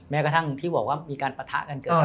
แม้กระทั่งที่บอกว่ามีการปะทะกันเกิด